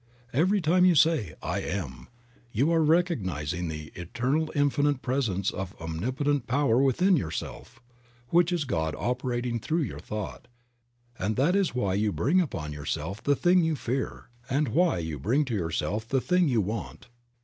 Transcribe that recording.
Every time you say I Am, you are recognizing the eternal infinite presence of omnipotent power within your self, which is God operating through your thought, and that is why you bring upon yourself the thing you fear, and why you bring to yourself the thing you want.